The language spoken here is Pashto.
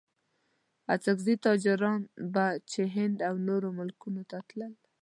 اڅګزي تاجران به چې هند او نورو ملکونو ته تلل.